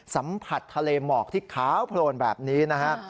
สัมผัสทะเลหมอกที่ขาวโพลนแบบนี้นะฮะ